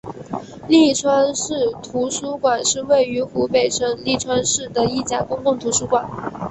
利川市图书馆是位于湖北省利川市的一家公共图书馆。